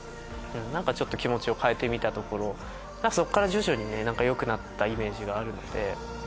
気持ちを変えてみたところそっから徐々にねよくなったイメージがあるので。